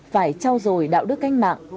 phải trao dồi đạo đức cách mạng